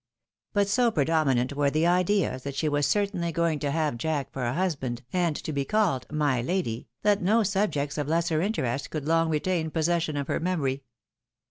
But so predominant were the ideas that she was certainly going to have Jack for a husband, and to be called " my lady," that no subjects of lesser interest could long retain possession of her memory.